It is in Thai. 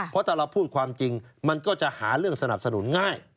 เพราะถ้าเราพูดความจริงมันก็จะหาเรื่องสนับสนุนง่าย